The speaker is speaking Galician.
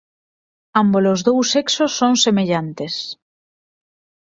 Ámbolos dous sexos son semellantes.